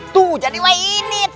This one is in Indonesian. tuh jadi weh ini